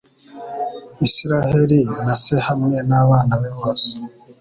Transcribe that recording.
Isiraheli na se hamwe n'abana be bose